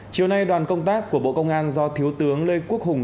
chiều nay đoàn công tác của bộ công an do thiếu tướng lê quốc hùng